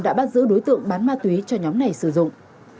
đã bắt giữ đối tượng bán ma túy cho nhóm này sử dụng